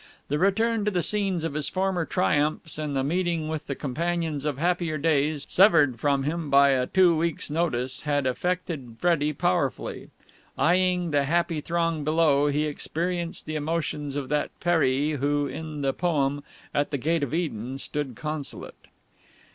The return to the scenes of his former triumphs and the meeting with the companions of happier days, severed from him by a two weeks' notice, had affected Freddie powerfully. Eyeing the happy throng below, he experienced the emotions of that Peri who, in the poem, "at the gate of Eden stood disconsolate."